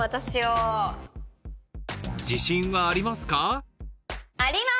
自信はありますか？